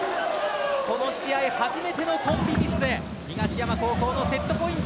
この試合初めてのコンビミスで東山高校のセットポイント。